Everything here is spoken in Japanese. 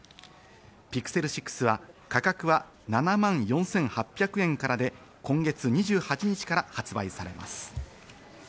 Ｐｉｘｅｌ６は価格は７万４８００円からで、今月２８日から発売されます。